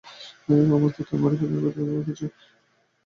আমার দাঁতের মাড়ি প্রচন্ড ব্যথা অনুভব করছি।